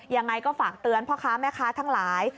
ยังไงก็ฝากเตือนพ่อค้าแม่ค้าทั้งหลาย